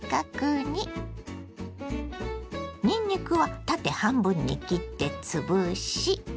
にんにくは縦半分に切って潰し。